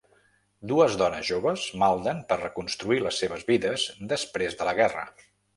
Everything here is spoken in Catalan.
Dues dones joves malden per reconstruir les seves vides després de la guerra.